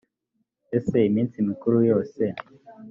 ese iminsi mikuru yose